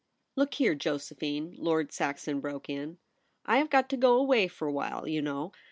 * Look here, Josephine,' Lord Saxon broke in, ' I have got to go away for a while, you know.